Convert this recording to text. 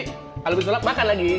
kalau gue sulap makan lagi